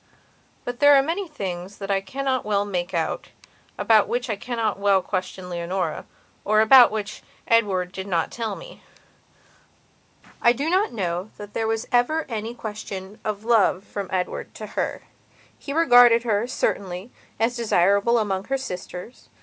But there are many things that I cannot well make out, about which I cannot well question Leonora, or about which Edward did not tell me. I do not know that there was ever any question of love from Edward to her. He regarded her, certainly, as desirable amongst her sisters.